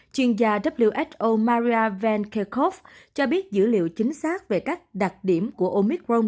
chuyên gia who maria van kerkhove cho biết dữ liệu chính xác về các đặc điểm của omicron